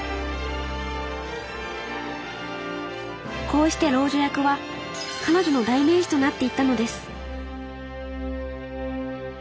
こうして老女役は彼女の代名詞となっていったのです